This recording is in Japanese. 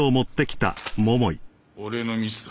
俺のミスだ。